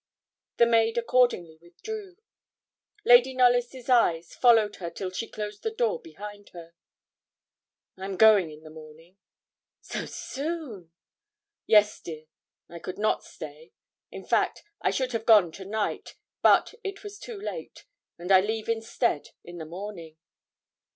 The maid accordingly withdrew. Lady Knollys' eyes followed her till she closed the door behind her. 'I'm going in the morning.' 'So soon!' 'Yes, dear; I could not stay; in fact, I should have gone to night, but it was too late, and I leave instead in the morning.'